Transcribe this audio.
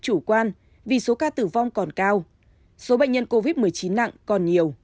chủ quan vì số ca tử vong còn cao